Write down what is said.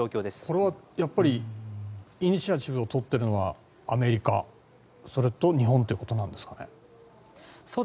これはやっぱりイニシアチブをとってるのはアメリカそれと日本ということなんですかね。